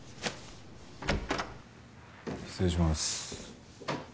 失礼します。